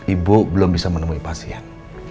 ibu belum bisa menemui pasien